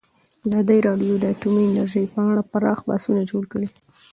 ازادي راډیو د اټومي انرژي په اړه پراخ بحثونه جوړ کړي.